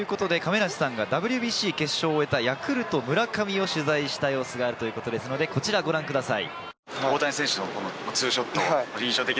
ＷＢＣ決勝を終えたヤクルト・村上を取材した様子があるということですので、こちらをご覧ください。